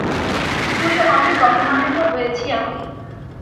স্কুলে অনেক অপমানিত হয়েছি আমি!